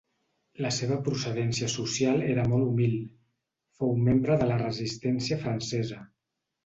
La seva procedència social era molt humil; fou membre de la Resistència francesa.